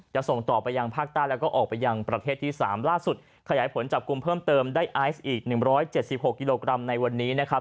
ส่งต่อไปยังภาคใต้แล้วก็ออกไปยังประเทศที่๓ล่าสุดขยายผลจับกลุ่มเพิ่มเติมได้ไอซ์อีก๑๗๖กิโลกรัมในวันนี้นะครับ